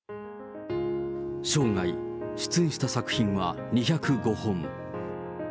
生涯、出演した作品は２０５本。